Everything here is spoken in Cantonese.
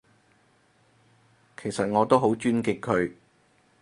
其實我都好尊敬佢